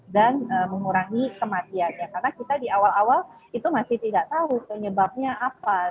dan mengurangi kematiannya karena kita di awal awal itu masih tidak tahu penyebabnya apa